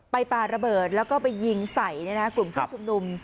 ปลาระเบิดแล้วก็ไปยิงใส่กลุ่มผู้ชุมนุม